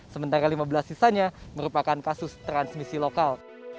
sementara lima belas sisanya merupakan kasus transmisi lokal